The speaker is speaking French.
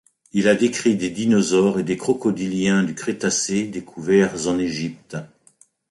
Il a décrit des dinosaures et des crocodiliens du Crétacé découverts en Égypte.